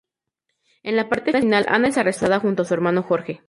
En la parte final Ana es arrestada junto a su hermano Jorge.